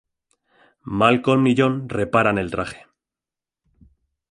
Malcolm y John reparan el traje.